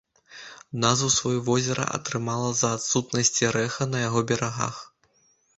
Назву сваю возера атрымала з-за адсутнасці рэха на яго берагах.